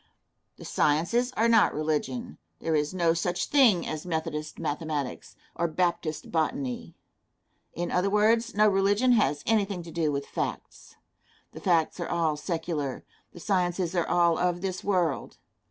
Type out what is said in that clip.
The sciences are not religion. There is no such thing as Methodist mathematics, or Baptist botany. In other words, no religion has anything to do with facts. The facts are all secular; the sciences are all of this world.